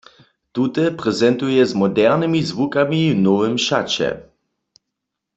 Tute prezentuje z modernymi zwukami w nowym šaće.